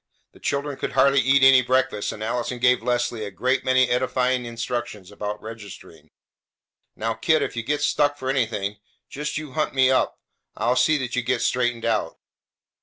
The children could hardly eat any breakfast, and Allison gave Leslie a great many edifying instructions about registering. "Now, kid, if you get stuck for anything, just you hunt me up. I'll see that you get straightened out.